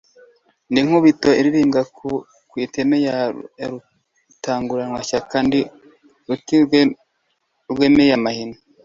Ndi Nkubito ilirimbwa ku iteme ya Rutanguranwashyaka, Ndi ruti rwemeye amahina,